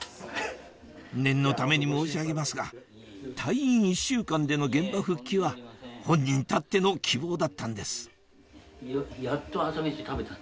念のために申し上げますが退院１週間での現場復帰は本人たっての希望だったんですやっと朝飯食べた。